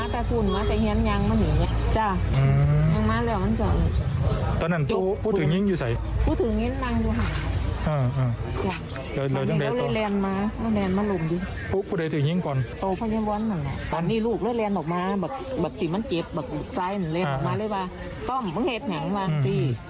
ก็ไม่ต้องเงียบอย่างนี้ต้องไม่ต้องเงียบอย่างนี้